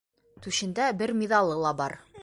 Түшендә бер миҙалы ла бар.